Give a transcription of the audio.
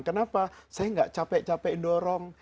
kenapa saya nggak capek capek dorong